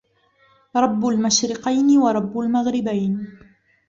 رَبُّ المَشرِقَينِ وَرَبُّ المَغرِبَينِ